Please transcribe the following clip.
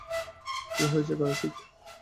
কী হয়েছে কার্তিক?